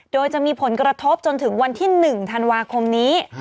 โดยจะมีผลกระทบจนถึงวันที่๑ธันวาคมนี้